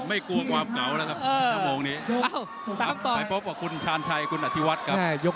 ไม่กลัวความเงานะครับ